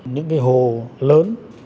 những hồ lớn